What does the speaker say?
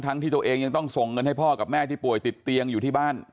ที่ตัวเองยังต้องส่งเงินให้พ่อกับแม่ที่ป่วยติดเตียงอยู่ที่บ้าน